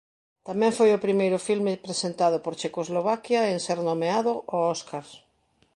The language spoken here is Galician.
Tamén foi o primeiro filme presentado por Checoslovaquia en ser nomeado ó Óscar.